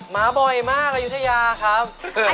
มาบ่อยมากอายุทยาครับ